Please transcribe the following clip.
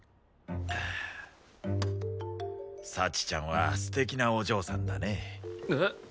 幸ちゃんは素敵なお嬢さんだね。